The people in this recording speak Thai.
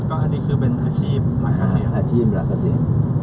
อันนี้คือเป็นอาชีพหลักเกษียณอาชีพหลักเกษียณ